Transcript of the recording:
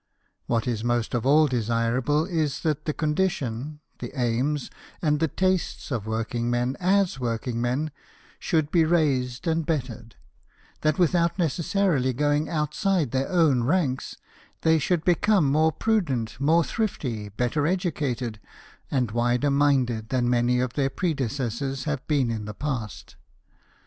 What is most of all desirable is that the condition, the aims, and the tastes of working men, as working men, should be raised and bettered ; that with out necessarily going outside their own ranks, the) should become more prudent, more thrifty, better educated, and wider minded than many of cheir predecessors have been in the past.